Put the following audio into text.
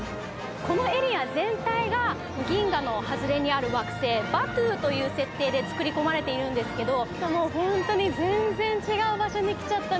このエリア全体が銀河のはずれにある惑星バトゥーという設定でつくり込まれているんですけど